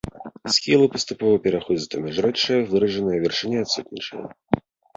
Схілы паступова пераходзяць у міжрэччы, выражаная вяршыня адсутнічае.